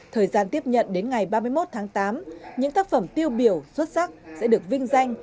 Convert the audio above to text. thời gian tiếp nhận đến ngày ba mươi một tháng tám những tác phẩm tiêu biểu xuất sắc sẽ được vinh danh